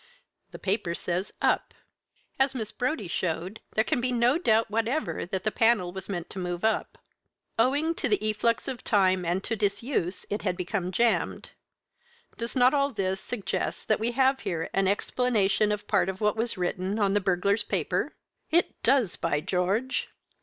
The paper says 'up.' As Miss Brodie showed, there can be no doubt whatever that the panel was meant to move up. Owing to the efflux of time and to disuse, it had become jammed. Does not all this suggest that we have here an explanation of part of what was written on the burglar's paper?" "It does, by George!